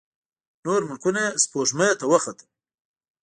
نور ملکونه سپوږمۍ ته وختل.